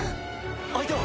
相手は？